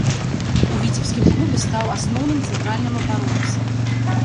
У віцебскім клубе стаў асноўным цэнтральным абаронцам.